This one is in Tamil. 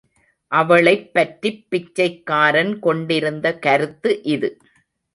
அவளைப் பற்றிப் பிச்சைக்காரன் கொண்டிருந்த கருத்து இது.